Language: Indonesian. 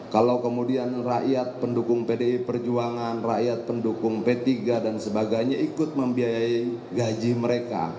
kalau kemudian rakyat pendukung pdi perjuangan rakyat pendukung p tiga dan sebagainya ikut membiayai gaji mereka